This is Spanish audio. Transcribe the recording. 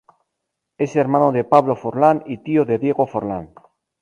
Es hermano de Pablo Forlán y tío de Diego Forlán.